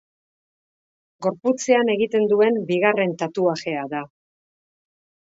Gorputzean egiten duen bigarren tatuajea da.